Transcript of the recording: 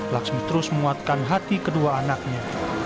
laksmi terus menguatkan hati kedua anaknya